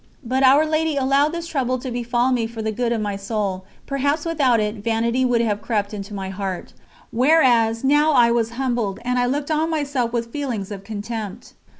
But Our Lady allowed this trouble to befall me for the good of my soul; perhaps without it vanity would have crept into my heart, whereas now I was humbled, and I looked on myself with feelings of contempt.